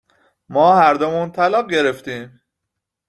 ما هردومون طلاق گرفتیم